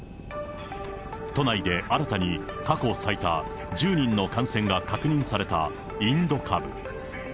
都内で新たに過去最多１０人の感染が確認されたインド株。